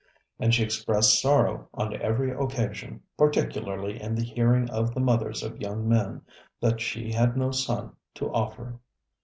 And she expressed sorrow on every occasion particularly in the hearing of the mothers of young men that she had no son to offer.